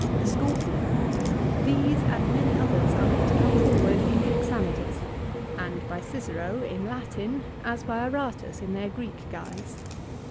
"The Scorpion;" these and many others are made to come forward in hexameters, and by Cicero in Latin as by Aratus in their Greek guise.